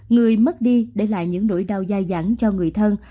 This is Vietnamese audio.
người mất đi để lại những nỗi đau dài dẳng cho người thân